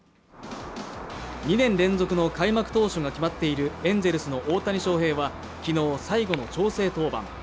２年連続の開幕投手が決まっているエンゼルスの大谷翔平は昨日、最後の調整登板。